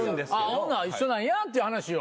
ほな一緒なんやっていう話を。